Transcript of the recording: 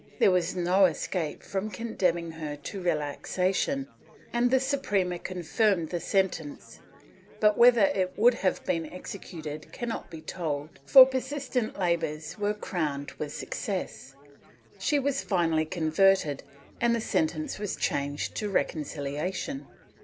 There was no escape from condemning her to relaxation and the Suprema confirmed the sentence, but whether it would have been executed cannot be told for persistent labors were crowned with success ; she was finally converted and the sentence was changed to reconcihation.